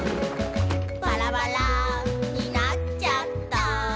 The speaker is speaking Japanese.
「バラバラになちゃった」